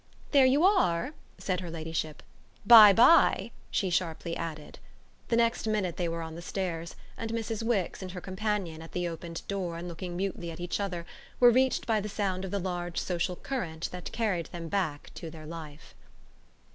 "There you are!" said her ladyship. "By bye!" she sharply added. The next minute they were on the stairs, and Mrs. Wix and her companion, at the open door and looking mutely at each other, were reached by the sound of the large social current that carried them back to their life.